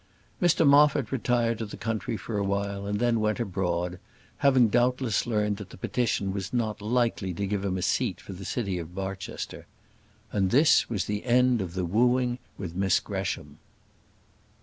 Mr Moffat retired to the country for a while, and then went abroad; having doubtless learnt that the petition was not likely to give him a seat for the city of Barchester. And this was the end of the wooing with Miss Gresham.